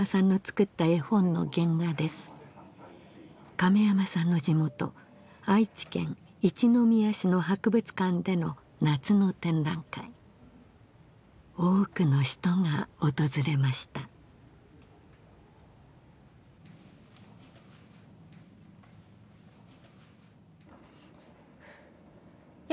亀山さんの地元愛知県一宮市の博物館での夏の展覧会多くの人が訪れましたよ